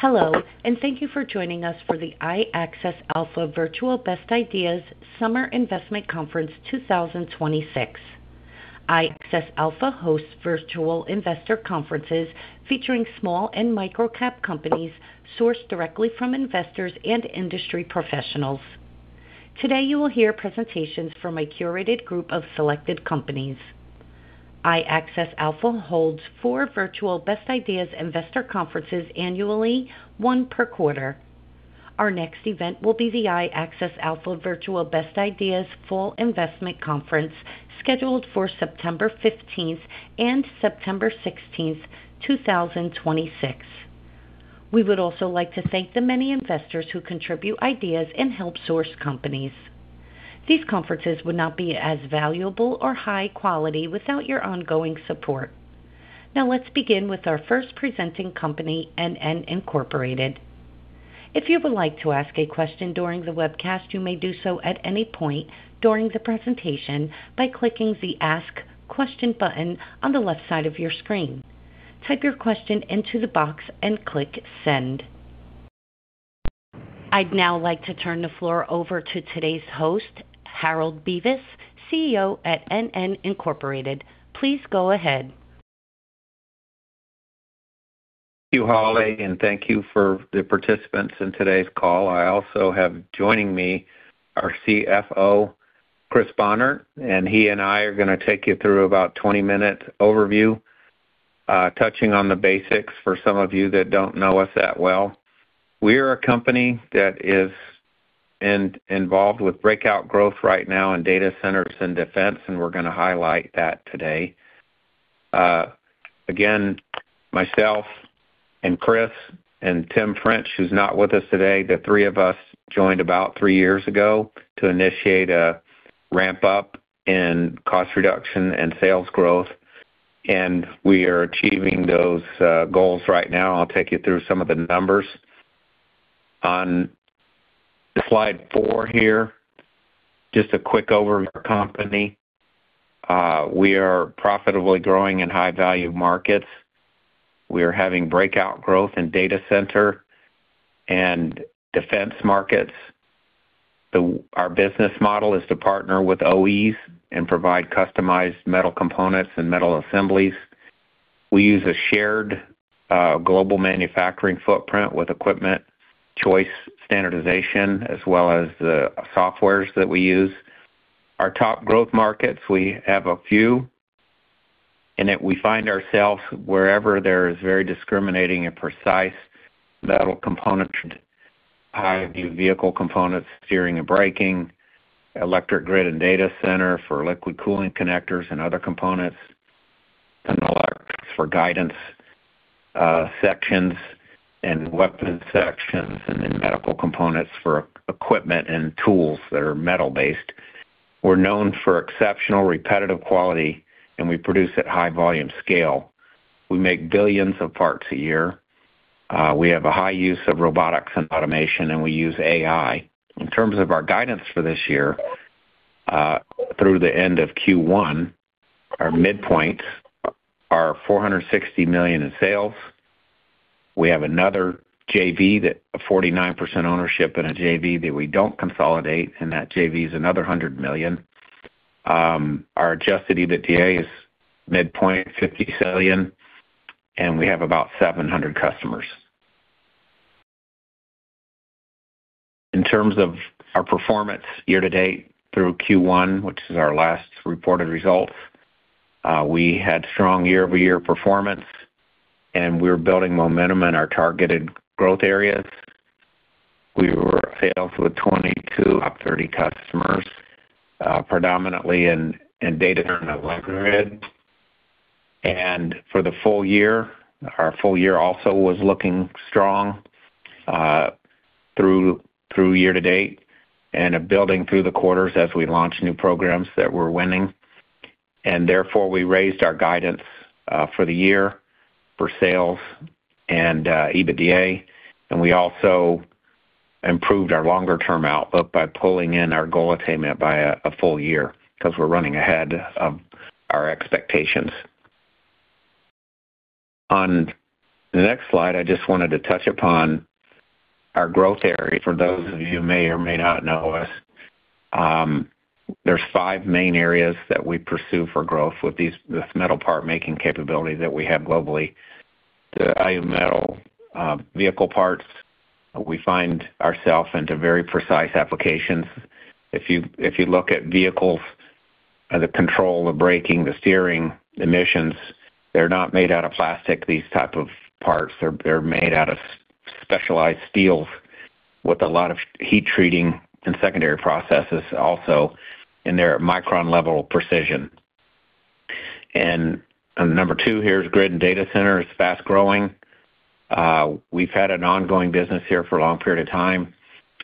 Hello, thank you for joining us for the iAccess Alpha Virtual Best Ideas Summer Investment Conference 2026. iAccess Alpha hosts virtual investor conferences featuring small and micro-cap companies sourced directly from investors and industry professionals. Today, you will hear presentations from a curated group of selected companies. iAccess Alpha holds four virtual Best Ideas investor conferences annually, one per quarter. Our next event will be the iAccess Alpha Virtual Best Ideas Fall Investment Conference, scheduled for September 15th and September 16th, 2026. We would also like to thank the many investors who contribute ideas and help source companies. These conferences would not be as valuable or high quality without your ongoing support. Now let's begin with our first presenting company, NN, Inc. If you would like to ask a question during the webcast, you may do so at any point during the presentation by clicking the Ask Question button on the left side of your screen. Type your question into the box and click Send. I'd now like to turn the floor over to today's host, Harold Bevis, CEO at NN, Inc. Please go ahead. Thank you, Holly, thank you for the participants in today's call. I also have joining me our CFO, Chris Bohnert, and he and I are going to take you through about a 20-minute overview, touching on the basics for some of you that don't know us that well. We are a company that is involved with breakout growth right now in data centers and defense, and we're going to highlight that today. Again, myself and Chris and Tim French, who's not with us today, the three of us joined about three years ago to initiate a ramp-up in cost reduction and sales growth, and we are achieving those goals right now. I'll take you through some of the numbers. On slide four here, just a quick overview of our company. We are profitably growing in high-value markets. We are having breakout growth in data center and defense markets. Our business model is to partner with OEs and provide customized metal components and metal assemblies. We use a shared global manufacturing footprint with equipment choice standardization as well as the softwares that we use. Our top growth markets, we have a few, and that we find ourselves wherever there is very discriminating and precise metal componentry. High-value vehicle components, steering and braking, electric grid and data center for liquid cooling connectors and other components, and electronics for guidance sections and weapon sections, and then medical components for equipment and tools that are metal based. We're known for exceptional repetitive quality, and we produce at high volume scale. We make billions of parts a year. We have a high use of robotics and automation, and we use AI. In terms of our guidance for this year, through the end of Q1, our midpoints are $460 million in sales. We have another JV, a 49% ownership in a JV that we don't consolidate, that JV is another $100 million. Our adjusted EBITDA is midpoint $50 million, and we have about 700 customers. In terms of our performance year-to-date through Q1, which is our last reported results, we had strong year-over-year performance, and we're building momentum in our targeted growth areas. We grew our sales with 20-30 customers, predominantly in data and electric grid. For the full-year, our full-year also was looking strong through year-to-date and building through the quarters as we launch new programs that we're winning. Therefore, we raised our guidance for the year for sales and EBITDA, and we also improved our longer-term outlook by pulling in our goal attainment by a full-year because we're running ahead of our expectations. On the next slide, I just wanted to touch upon our growth area. For those of you who may or may not know us, there's five main areas that we pursue for growth with this metal part making capability that we have globally. The high-value metal vehicle parts, we find ourself into very precise applications. If you look at vehicles, the control, the braking, the steering, emissions, they're not made out of plastic, these type of parts. They're made out of specialized steels with a lot of heat treating and secondary processes also, and they're at micron-level precision. Number two here is grid and data center is fast-growing. We've had an ongoing business here for a long period of time.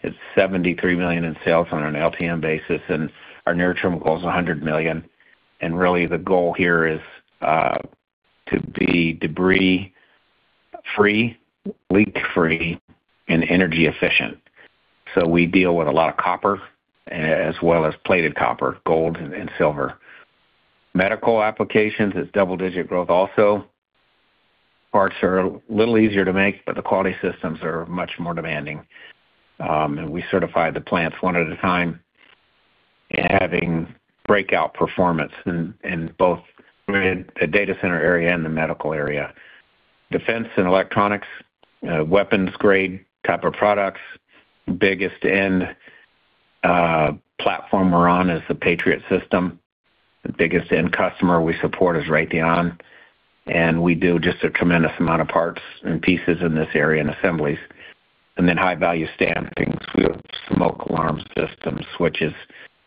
It's $73 million in sales on an LTM basis, and our near-term goal is $100 million. Really the goal here is to be debris-free, leak-free, and energy efficient. We deal with a lot of copper as well as plated copper, gold, and silver. Medical applications is double-digit growth also. Parts are a little easier to make, but the quality systems are much more demanding. We certify the plants one at a time, having breakout performance in both the data center area and the medical area. Defense and electronics, weapons-grade type of products. Biggest end platform we're on is the Patriot system. The biggest end customer we support is Raytheon, and we do just a tremendous amount of parts and pieces in this area, and assemblies. High-value stampings. We have smoke alarm systems, switches,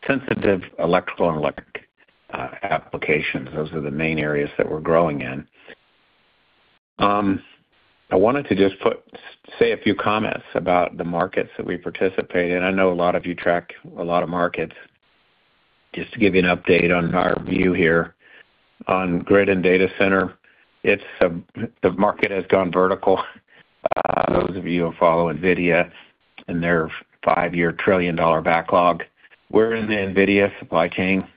sensitive electro and electric applications. Those are the main areas that we're growing in. I wanted to just say a few comments about the markets that we participate in. I know a lot of you track a lot of markets. Just to give you an update on our view here on grid and data center, the market has gone vertical. Those of you who follow NVIDIA and their five-year trillion-dollar backlog, we're in the NVIDIA supply chain,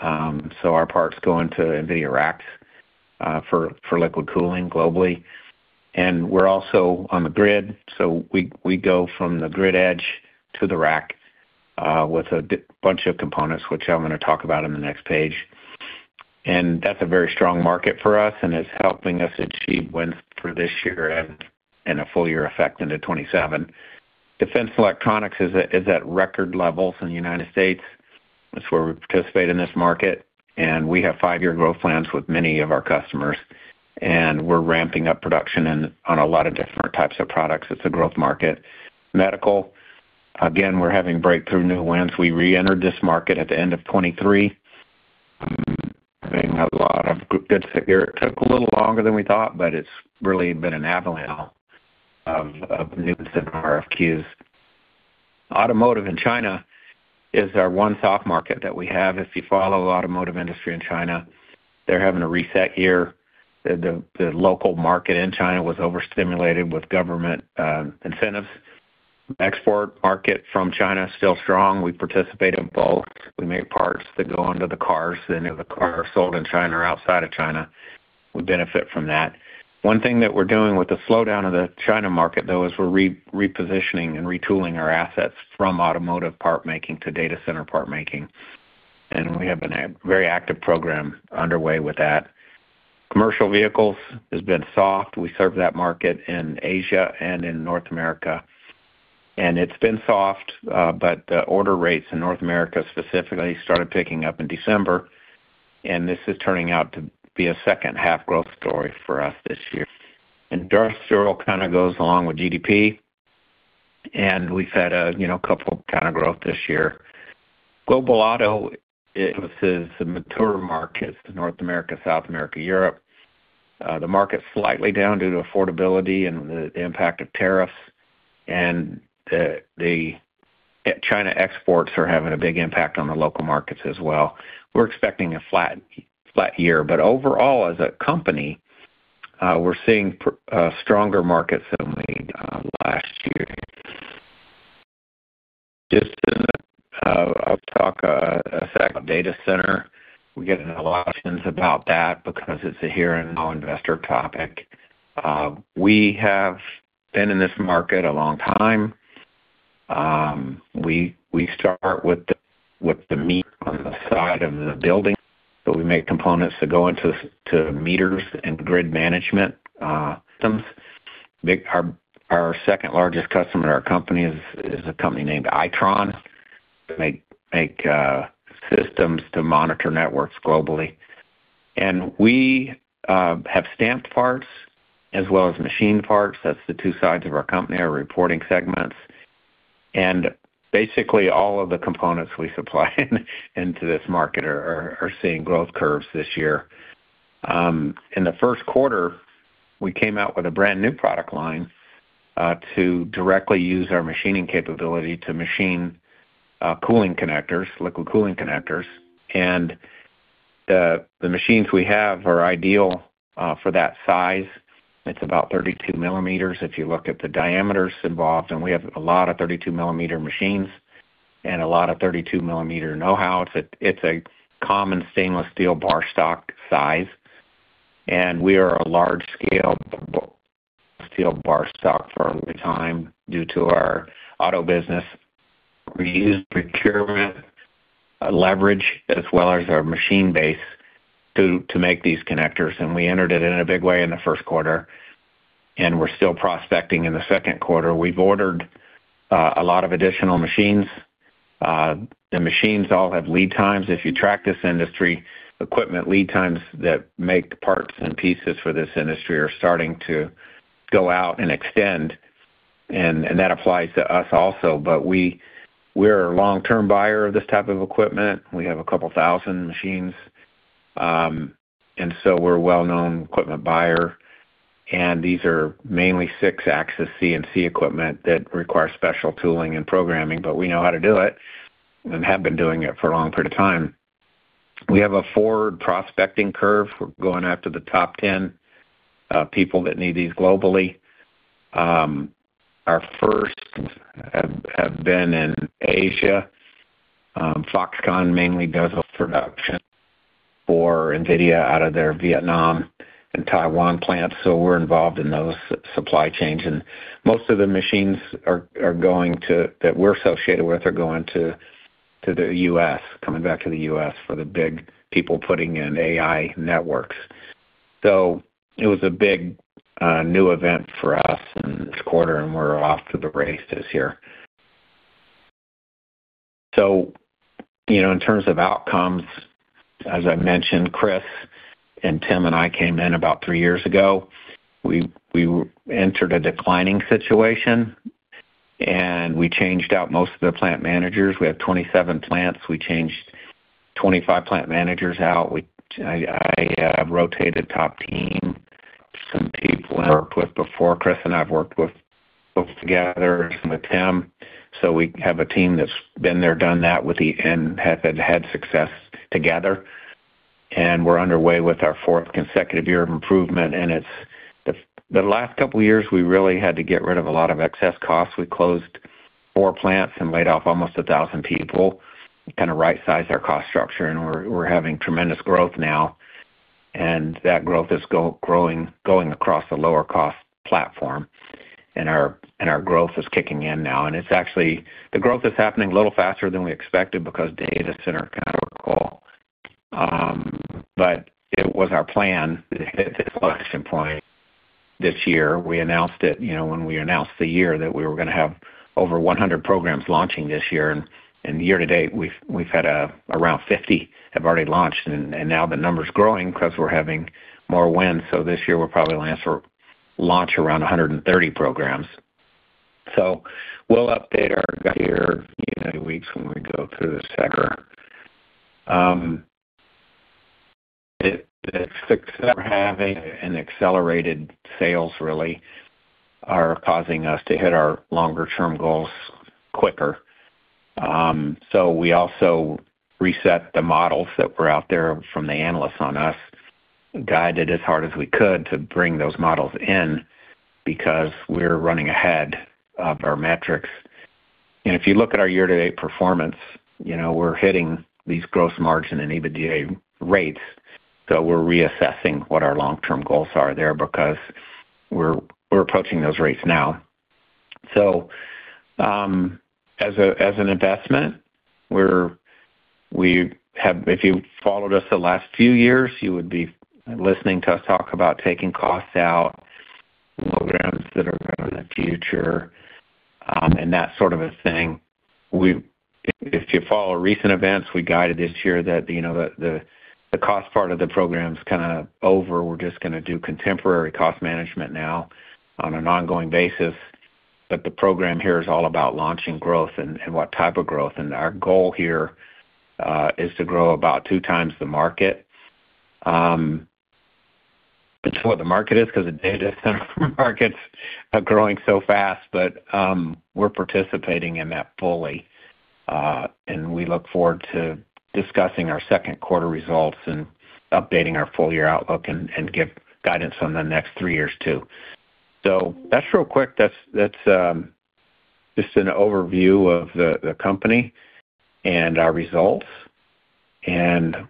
so our parts go into NVIDIA racks, for liquid cooling globally. We're also on the grid, so we go from the grid edge to the rack, with a bunch of components, which I'm going to talk about on the next page. That's a very strong market for us, and it's helping us achieve wins for this year and a full-year effect into 2027. Defense electronics is at record levels in the U.S. That's where we participate in this market, and we have five-year growth plans with many of our customers, and we're ramping up production on a lot of different types of products. It's a growth market. Medical, again, we're having breakthrough new wins. We re-entered this market at the end of 2023, having a lot of good. It took a little longer than we thought, but it's really been an avalanche of wins and RFQs. Automotive in China is our one soft market that we have. If you follow the automotive industry in China, they're having a reset year. The local market in China was overstimulated with government incentives. Export market from China is still strong. We participate in both. We make parts that go onto the cars, and if the car is sold in China or outside of China, we benefit from that. One thing that we're doing with the slowdown of the China market, though, is we're repositioning and retooling our assets from automotive part making to data center part making, and we have a very active program underway with that. Commercial vehicles has been soft. We serve that market in Asia and in North America, and it's been soft, but the order rates in North America specifically started picking up in December, and this is turning out to be a second half growth story for us this year. Industrial kind of goes along with GDP, and we've had a couple kind of growth this year. Global auto, it was the mature markets, the North America, South America, Europe. The market's slightly down due to affordability and the impact of tariffs, and the China exports are having a big impact on the local markets as well. We're expecting a flat year. Overall, as a company, we're seeing stronger markets than we did last year. I'll talk a sec about data center. We get a lot of questions about that because it's a here-and-now investor topic. We have been in this market a long time. We start with the meter on the side of the building. We make components that go into meters and grid management systems. Our second largest customer in our company is a company named Itron. They make systems to monitor networks globally. We have stamped parts as well as machined parts. That's the two sides of our company, our reporting segments. Basically all of the components we supply into this market are seeing growth curves this year. In the first quarter, we came out with a brand-new product line, to directly use our machining capability to machine cooling connectors, liquid cooling connectors. The machines we have are ideal for that size. It's about 32 millimeters if you look at the diameters involved, and we have a lot of 32 millimeter machines and a lot of 32 millimeter know-how. It's a common stainless steel bar stock size, and we are a large scale steel bar stock for a long time due to our auto business. We use procurement leverage as well as our machine base to make these connectors, and we entered it in a big way in the first quarter, and we're still prospecting in the second quarter. We've ordered a lot of additional machines. The machines all have lead times. If you track this industry, equipment lead times that make parts and pieces for this industry are starting to go out and extend, and that applies to us also. We're a long-term buyer of this type of equipment. We have a couple thousand machines, we're a well-known equipment buyer. These are mainly six-axis CNC equipment that require special tooling and programming, but we know how to do it and have been doing it for a long period of time. We have a forward prospecting curve. We are going after the top 10 people that need these globally. Our first have been in Asia. Foxconn mainly does a production for NVIDIA out of their Vietnam and Taiwan plants, so we are involved in those supply chains, and most of the machines that we are associated with are going to the U.S., coming back to the U.S. for the big people putting in AI networks. It was a big new event for us in this quarter, and we are off to the races here. In terms of outcomes, as I mentioned, Chris and Tim and I came in about three years ago. We entered a declining situation, and we changed out most of the plant managers. We have 27 plants. We changed 25 plant managers out. I rotated top team, some people I worked with before. Chris and I have worked with both together and with Tim. We have a team that has been there, done that with the end path and had success together. We are underway with our fourth consecutive year of improvement, and the last couple of years, we really had to get rid of a lot of excess costs. We closed four plants and laid off almost 1,000 people to kind of right-size our cost structure, and we are having tremendous growth now. That growth is going across the lower cost platform, and our growth is kicking in now. The growth is happening a little faster than we expected because data center kind of recall. It was our plan to hit this inflection point this year. We announced it when we announced the year that we were going to have over 100 programs launching this year, and year-to-date, around 50 have already launched. Now the number is growing because we are having more wins. This year we will probably launch around 130 programs. We will update our guide here in a few weeks when we go through the second. The success we are having in accelerated sales really are causing us to hit our longer-term goals quicker. We also reset the models that were out there from the analysts on us, guided as hard as we could to bring those models in because we are running ahead of our metrics. If you look at our year-to-date performance, we are hitting these gross margin and EBITDA rates, so we are reassessing what our long-term goals are there because we are approaching those rates now. As an investment, if you followed us the last few years, you would be listening to us talk about taking costs out, programs that are going to the future, and that sort of a thing. If you follow recent events, we guided this year that the cost part of the program is kind of over. We are just going to do contemporary cost management now on an ongoing basis. The program here is all about launching growth and what type of growth. Our goal here, is to grow about two times the market. That is what the market is because the data center markets are growing so fast. We're participating in that fully, and we look forward to discussing our second quarter results and updating our full-year outlook and give guidance on the next three years, too. That's real quick. That's just an overview of the company and our results.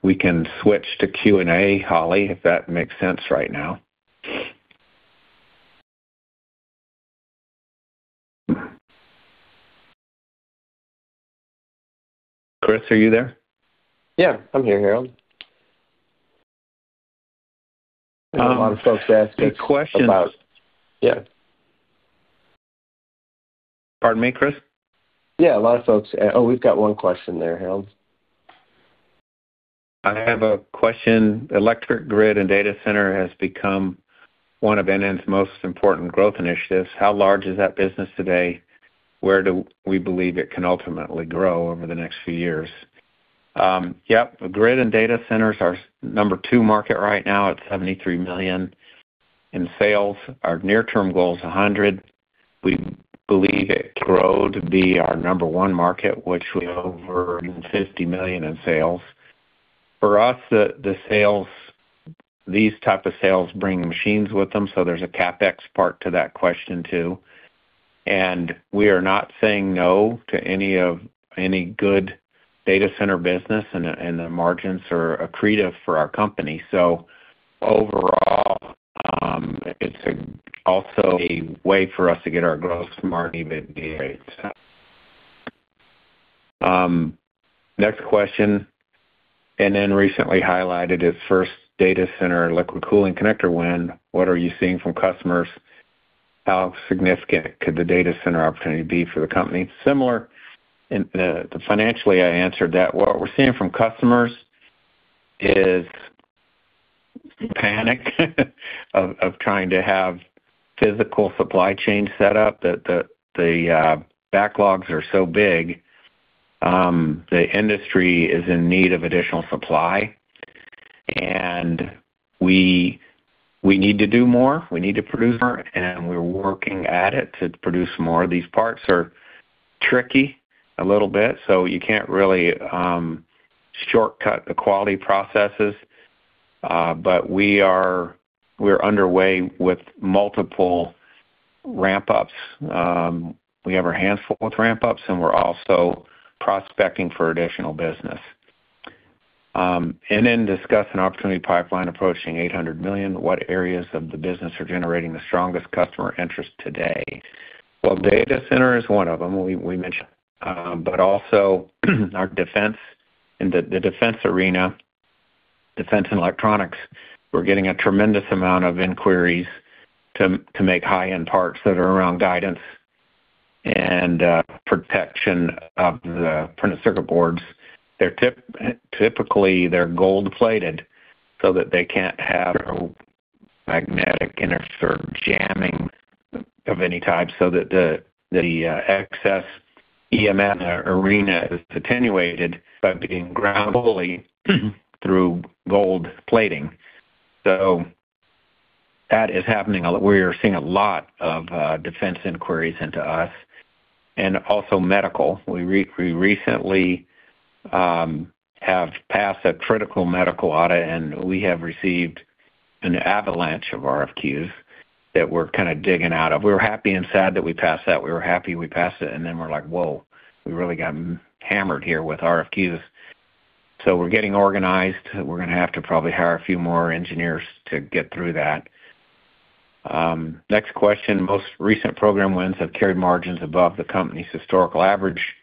We can switch to Q&A, Holly, if that makes sense right now. Chris, are you there? Yeah, I'm here, Harold. I know a lot of folks are asking about. Any questions? Yeah. Pardon me, Chris? Yeah, a lot of folks. Oh, we've got one question there, Harold. I have a question. Electric grid and data center has become one of NN's most important growth initiatives. How large is that business today? Where do we believe it can ultimately grow over the next few years? Yep. Grid and data centers are our number two market right now at $73 million in sales. Our near-term goal is $100 million. We believe it can grow to be our number one market, which we have over $50 million in sales. For us, these type of sales bring machines with them, so there's a CapEx part to that question, too. We are not saying no to any good data center business, and the margins are accretive for our company. Overall, it's also a way for us to get our gross margin and EBITDA rates up. Next question. NN recently highlighted its first data center liquid cooling connector win. What are you seeing from customers? How significant could the data center opportunity be for the company? Similar in the financially I answered that what we're seeing from customers is panic of trying to have physical supply chain set up. The backlogs are so big. The industry is in need of additional supply, and we need to do more. We need to produce more, and we're working at it to produce more. These parts are tricky a little bit, so you can't really shortcut the quality processes. We're underway with multiple ramp-ups. We have our hands full with ramp-ups, and we're also prospecting for additional business. "NN discussed an opportunity pipeline approaching $800 million. What areas of the business are generating the strongest customer interest today?" Well, data center is one of them, we mentioned. Also, in the defense arena, defense and electronics, we're getting a tremendous amount of inquiries to make high-end parts that are around guidance and protection of the printed circuit boards. Typically, they're gold-plated so that they can't have a magnetic interference or jamming of any type, so that the excess EMI arena is attenuated by being grounded wholly through gold plating. That is happening a lot. We are seeing a lot of defense inquiries into us, and also medical. We recently have passed a critical medical audit, and we have received an avalanche of RFQs that we're kind of digging out of. We were happy and sad that we passed that. We were happy we passed it, and then we're like, "Whoa, we really got hammered here with RFQs." We're getting organized. We're going to have to probably hire a few more engineers to get through that. Next question. "Most recent program wins have carried margins above the company's historical average.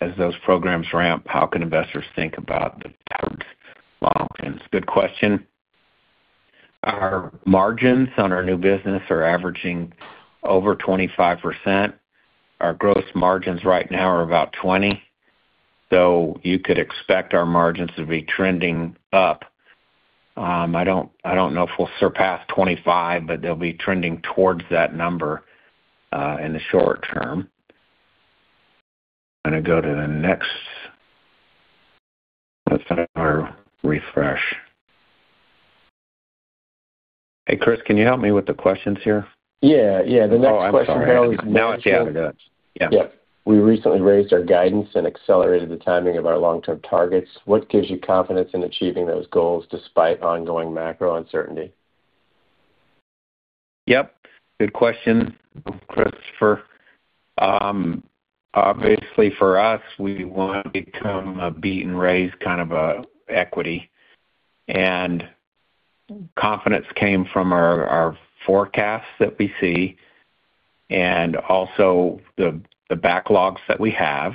As those programs ramp, how can investors think about the targets long term?" It's a good question. Our margins on our new business are averaging over 25%. Our gross margins right now are about 20%. You could expect our margins to be trending up. I don't know if we'll surpass 25%, but they'll be trending towards that number in the short term. I'm going to go to the next. Let's let it refresh. Hey, Chris, can you help me with the questions here? Yeah. The next question- Oh, I'm sorry. Yeah. "We recently raised our guidance and accelerated the timing of our long-term targets. What gives you confidence in achieving those goals despite ongoing macro uncertainty? Yep. Good question, Christopher. Obviously, for us, we want to become a beat and raise kind of equity. Confidence came from our forecasts that we see, and also the backlogs that we have,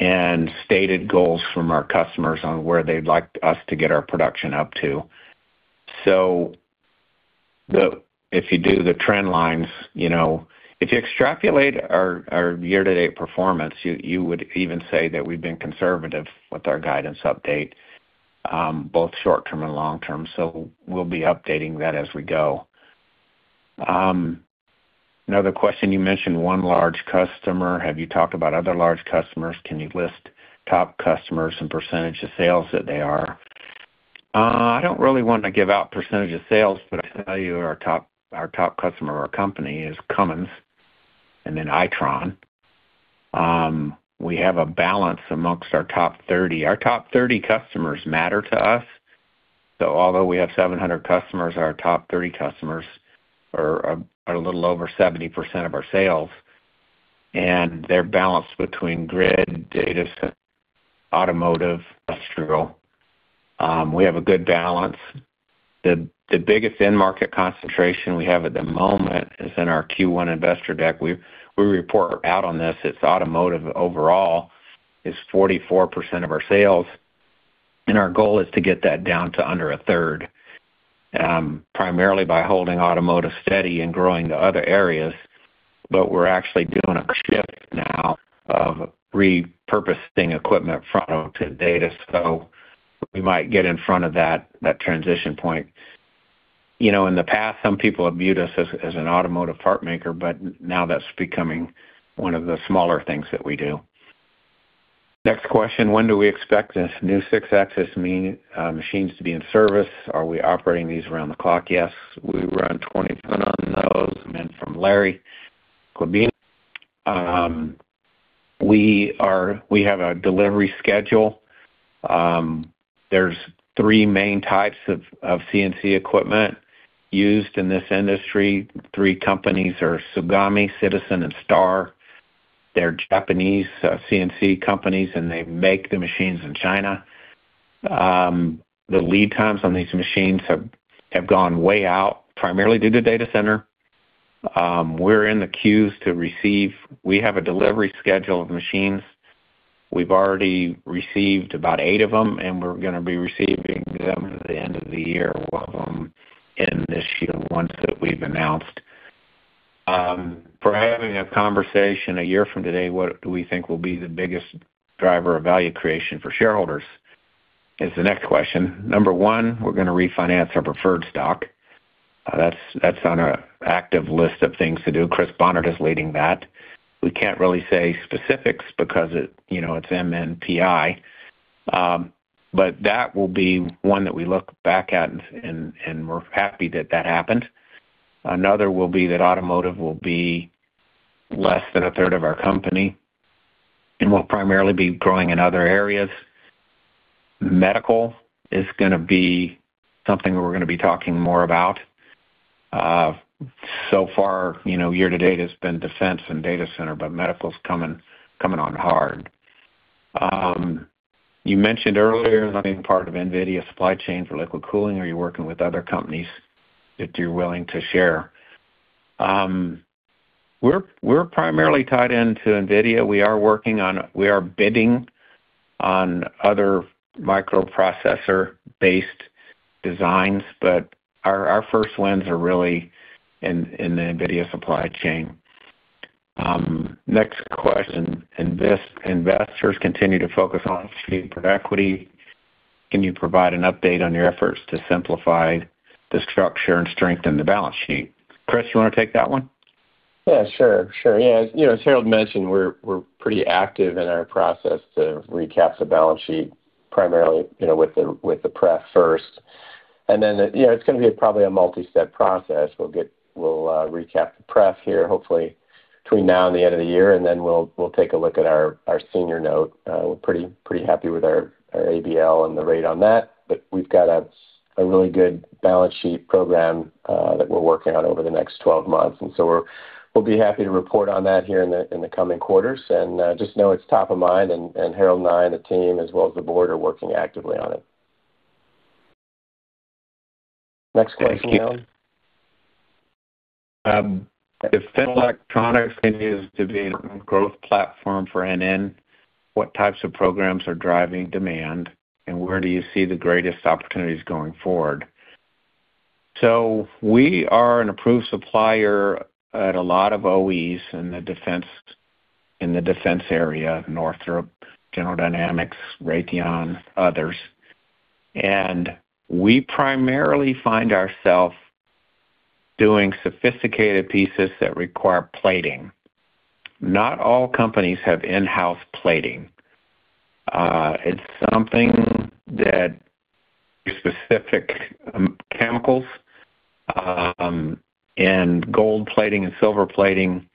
and stated goals from our customers on where they'd like us to get our production up to. If you do the trend lines, if you extrapolate our year-to-date performance, you would even say that we've been conservative with our guidance update, both short term and long term. We'll be updating that as we go. Another question, "You mentioned one large customer. Have you talked about other large customers? Can you list top customers and percentage of sales that they are?" I don't really want to give out percentage of sales, but I can tell you our top customer of our company is Cummins, and then Itron. We have a balance amongst our top 30. Our top 30 customers matter to us. Although we have 700 customers, our top 30 customers are a little over 70% of our sales, and they're balanced between grid, data center, automotive, industrial. We have a good balance. The biggest end market concentration we have at the moment is in our Q1 investor deck. We report out on this. It's automotive overall is 44% of our sales, and our goal is to get that down to under a third, primarily by holding automotive steady and growing the other areas. We're actually doing a shift now of repurposing equipment from auto to data. We might get in front of that transition point. In the past, some people have viewed us as an automotive part maker, but now that's becoming one of the smaller things that we do. Next question. When do we expect this new six-axis machines to be in service? Are we operating these around the clock?" Yes, we run 20/7 on those. From Larry Cabina. We have a delivery schedule. There are three main types of CNC equipment used in this industry. Three companies are Tsugami, Citizen, and Star. They're Japanese CNC companies, and they make the machines in China. The lead times on these machines have gone way out, primarily due to data center. We're in the queues to receive. We have a delivery schedule of machines. We've already received about eight of them, and we're going to be receiving them through the end of the year, a lot of them in this year, the ones that we've announced. "For having a conversation a year from today, what do we think will be the biggest driver of value creation for shareholders?" is the next question. Number one, we're going to refinance our preferred stock. That's on our active list of things to do. Chris Bohnert is leading that. We can't really say specifics because it's MNPI. That will be one that we look back at and we're happy that that happened. Another will be that automotive will be less than a third of our company, and we'll primarily be growing in other areas. Medical is going to be something we're going to be talking more about. Far, year to date has been defense and data center, but medical's coming on hard. You mentioned earlier being part of NVIDIA supply chain for liquid cooling. Are you working with other companies that you're willing to share? We're primarily tied into NVIDIA. We are bidding on other microprocessor-based designs, but our first wins are really in the NVIDIA supply chain. Next question. Investors continue to focus on speed for equity. Can you provide an update on your efforts to simplify the structure and strengthen the balance sheet? Chris, you want to take that one? Yeah, sure. As Harold mentioned, we're pretty active in our process to recap the balance sheet, primarily with the pref first. Then, it's going to be probably a multi-step process. We'll recap the pref here, hopefully between now and the end of the year, then we'll take a look at our senior note. We're pretty happy with our ABL and the rate on that. We've got a really good balance sheet program that we're working on over the next 12 months. So we'll be happy to report on that here in the coming quarters. Just know it's top of mind, and Harold and I and the team, as well as the board, are working actively on it. Next question. Thank you. If defense electronics continues to be an important growth platform for NN, what types of programs are driving demand, and where do you see the greatest opportunities going forward? We are an approved supplier at a lot of OEs in the defense area, Northrop, General Dynamics, Raytheon, others. And we primarily find ourself doing sophisticated pieces that require plating. Not all companies have in-house plating. It's something that specific chemicals, and gold plating and silver plating,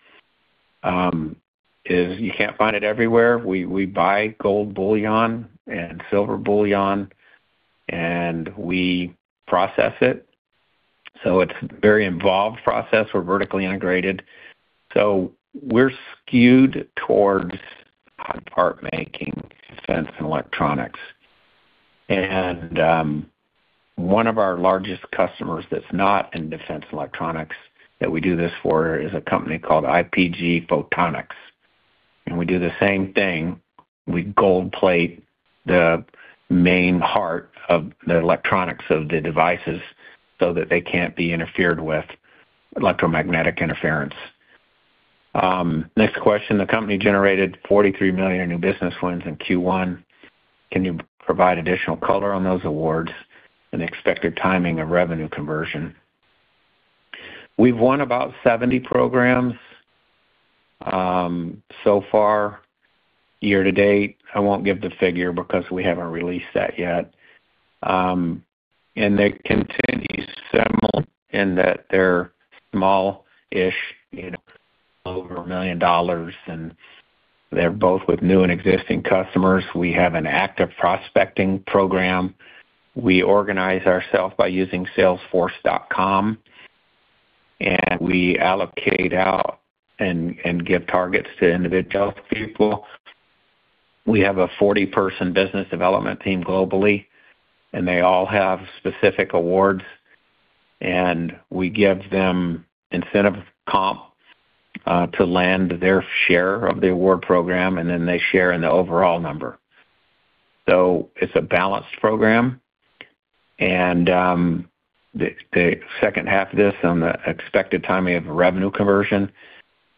you can't find it everywhere. We buy gold bullion and silver bullion, and we process it. It's a very involved process. We're vertically integrated. We're skewed towards part-making, defense, and electronics. And one of our largest customers that's not in defense electronics that we do this for is a company called IPG Photonics, and we do the same thing. We gold plate the main heart of the electronics of the devices so that they can't be interfered with electromagnetic interference. Next question. The company generated $43 million new business wins in Q1. Can you provide additional color on those awards and expected timing of revenue conversion? We've won about 70 programs so far year to date. I won't give the figure because we haven't released that yet. And they continue to assemble in that they're small-ish, over $1 million, and they're both with new and existing customers. We have an active prospecting program. We organize ourself by using salesforce.com, and we allocate out and give targets to individual people. We have a 40-person business development team globally, and they all have specific awards, and we give them incentive comp to land their share of the award program, and then they share in the overall number. It's a balanced program. And the second half of this on the expected timing of revenue conversion,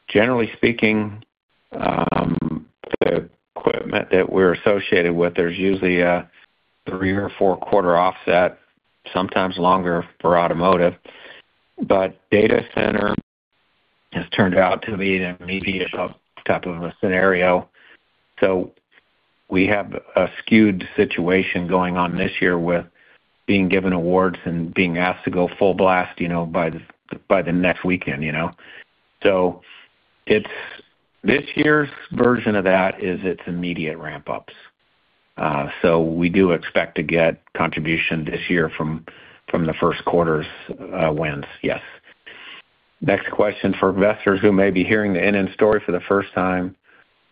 generally speaking, the equipment that we're associated with, there's usually a three or four-quarter offset, sometimes longer for automotive. But data center has turned out to be an immediate type of a scenario. This year's version of that is it's immediate ramp-ups. We do expect to get contribution this year from the first quarter's wins, yes. Next question. For investors who may be hearing the NN story for the first time,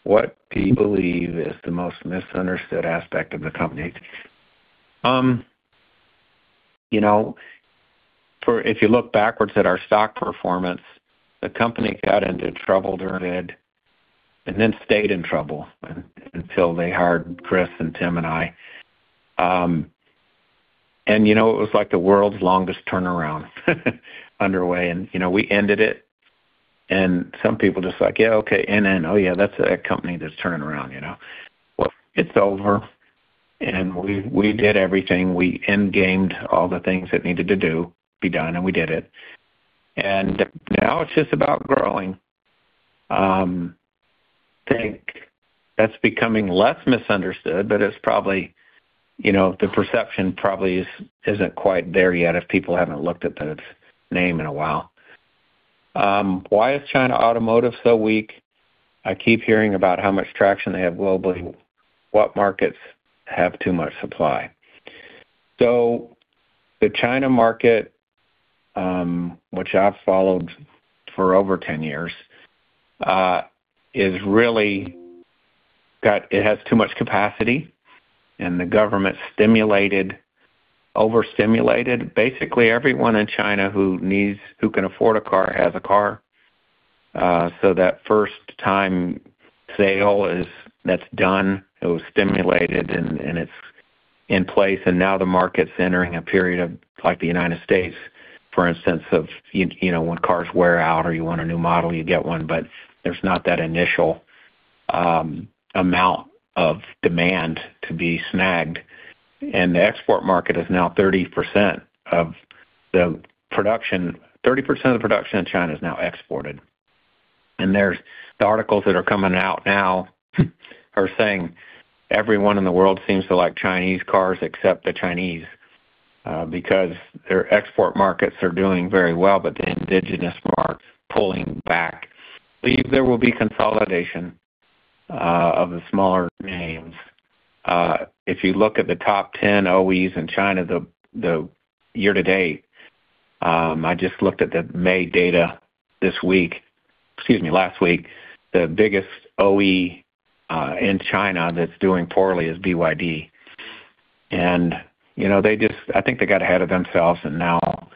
what do you believe is the most misunderstood aspect of the company? If you look backwards at our stock performance, the company got into trouble during COVID and then stayed in trouble until they hired Chris and Tim and I. And it was like the world's longest turnaround underway, and we ended it, and some people just like, "Yeah, okay, NN. Oh, yeah, that's a company that's turnaround." Well, it's over, and we did everything. We end-gamed all the things that needed to be done, and we did it. And now it's just about growing. Think that's becoming less misunderstood, but the perception probably isn't quite there yet if people haven't looked at the name in a while. Why is China automotive so weak? I keep hearing about how much traction they have globally. What markets have too much supply? The China market, which I've followed for over 10 years, it has too much capacity, and the government over-stimulated. Basically, everyone in China who can afford a car has a car. That first time sale, that's done. It was stimulated, and it's in place. Now the market's entering a period of, like the U.S., for instance, of when cars wear out or you want a new model, you get one, but there's not that initial amount of demand to be snagged. The export market is now 30% of the production in China is now exported. The articles that are coming out now are saying everyone in the world seems to like Chinese cars except the Chinese, because their export markets are doing very well, but the indigenous market's pulling back. Believe there will be consolidation of the smaller names. If you look at the top 10 OEs in China, the year to date, I just looked at the May data last week, the biggest OE in China that's doing poorly is BYD. I think they got ahead of themselves and now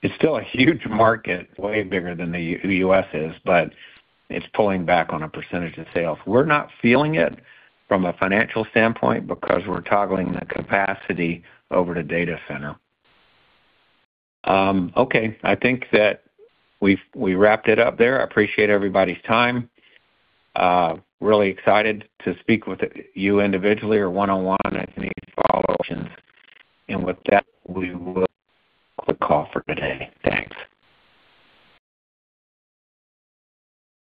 it's still a huge market, way bigger than the U.S. is, but it's pulling back on a percentage of sales. We're not feeling it from a financial standpoint because we're toggling the capacity over to data center. Okay, I think that we wrapped it up there. I appreciate everybody's time. Really excited to speak with you individually or one-on-one as any follow-ups. With that, we will end the call for today. Thanks.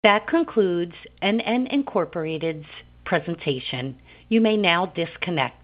That concludes NN, Inc.'s presentation. You may now disconnect.